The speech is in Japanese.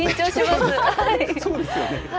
そうですよね。